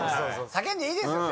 叫んでいいですよ。